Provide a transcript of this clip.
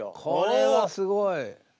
これはすごい。